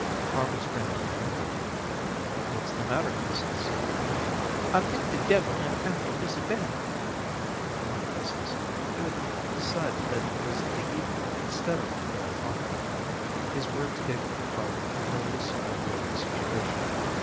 Harvey sprang to the window. "What's the matter, Gustus?" "I think de debbil am after Missy Beth," moaned Gustus, who had decided that it was the Evil One instead of a real fire. His words gave Harvey no lucid idea of the situation.